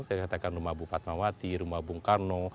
saya katakan rumah bupat mawati rumah bung karno